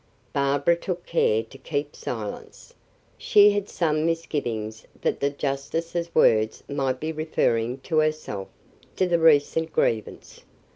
Barbara took care to keep silence; she had some misgivings that the justice's words might be referring to herself to the recent grievance.